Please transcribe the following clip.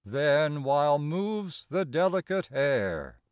Then, while moves the delicate air.